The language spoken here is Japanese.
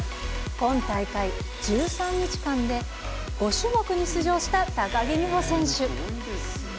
今大会、１３日間で５種目に出場した高木美帆選手。